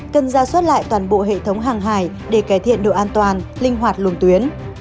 cần ra soát lại toàn bộ hệ thống hàng hải để cải thiện độ an toàn linh hoạt luồng tuyến